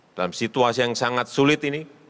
dalam situasi yang sangat sulit ini